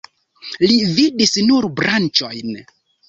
Li vidis nur branĉojn.